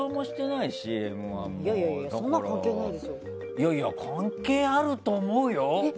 いやいや、関係あると思うよ。